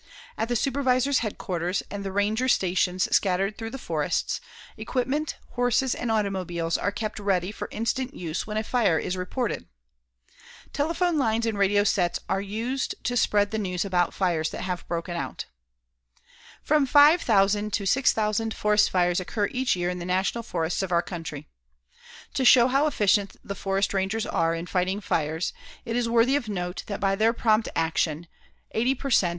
At the supervisor's headquarters and the ranger stations scattered through the forests, equipment, horses and automobiles are kept ready for instant use when a fire is reported. Telephone lines and radio sets are used to spread the news about fires that have broken out. From five thousand to six thousand forest fires occur each year in the National Forests of our country. To show how efficient the forest rangers are in fighting fires, it is worthy of note that by their prompt actions, 80 per cent.